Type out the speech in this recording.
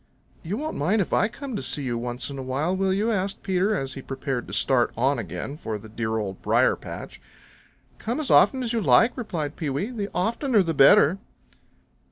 "You won't mind if I come to see you once in a while, will you?" asked Peter as he prepared to start on again for the dear Old Briar patch. "Come as often as you like," replied Pewee. "The oftener the better."